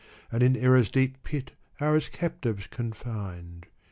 And in error's deep pit are as captives confined.